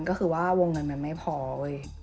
ก็คือว่าวงเงินมันไม่พอเว้ย